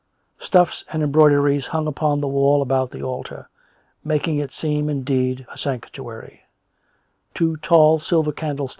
Stuffs and embroideries hung upon the wall about the altar, making it seem, indeed, a sanctuary; two tall silver candles?